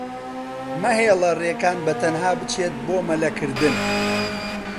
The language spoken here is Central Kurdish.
مەهێڵە ڕێکان بەتەنها بچێت بۆ مەلەکردن.